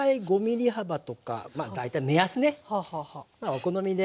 お好みで。